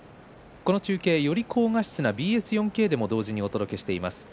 この中継はより高画質なＢＳ４Ｋでも同時にお届けしています。